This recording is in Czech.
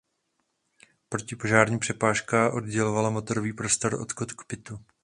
Protipožární přepážka oddělovala motorový prostor od kokpitu.